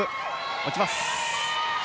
落ちます。